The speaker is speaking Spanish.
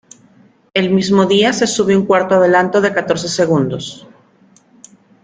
El mismo día se sube un cuarto adelanto de catorce segundos.